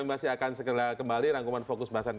menurut saya itu menjadi paling terbaik sejak tiga puluh tahun